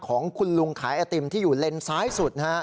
ของคุณลุงขายอะติมที่อยู่เลนส้ายสุด